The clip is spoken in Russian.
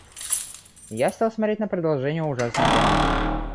Я стал смотреть на продолжение ужасной комедии.